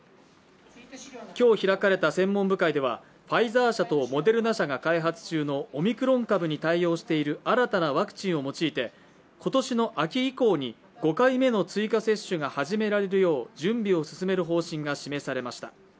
今日開かれた専門部会ではファイザー社とモデルナ社が開発中のオミクロン株に対応している新たなワクチンを用いて今年の秋以降に５回目の追加接種が始められるよう準備を進める方針が示されました。